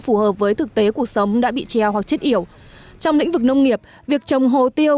phù hợp với thực tế cuộc sống đã bị treo hoặc chết yểu trong lĩnh vực nông nghiệp việc trồng hồ tiêu